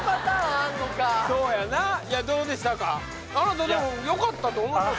あなたでもよかったと思ってます